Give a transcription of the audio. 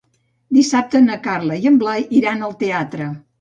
Dissabte na Carla i en Blai iran al teatre.